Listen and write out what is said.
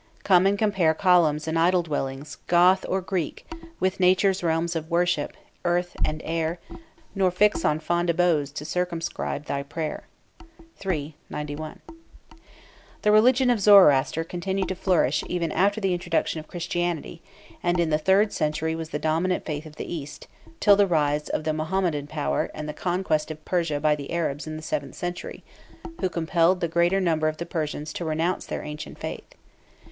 Come and compare Columns and idol dwellings, Goth or Greek, With Nature's realms of worship, earth and air, Nor fix on fond abodes to circumscribe thy prayer." III., 91. The religion of Zoroaster continued to flourish even after the introduction of Christianity, and in the third century was the dominant faith of the East, till the rise of the Mahometan power and the conquest of Persia by the Arabs in the seventh century, who compelled the greater number of the Persians to renounce their ancient faith.